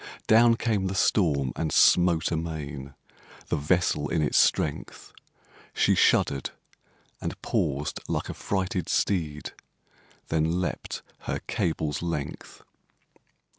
Down came the storm, and smote amain The vessel in its strength; She shudder'd and paused, like a frighted steed, Then leap'd her cable's length.